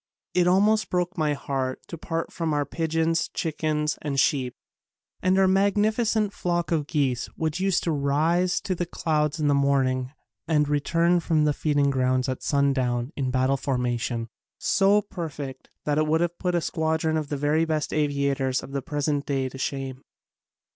It almost broke my heart to part from our pigeons, chickens and sheep, and our magnificent flock of geese which used to rise to the clouds in the morning and return from the feeding grounds at sundown in battle formation, so perfect that it would have put a squadron of the best aviators of the present day to shame.